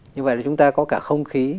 như vậy là chúng ta có cả không khí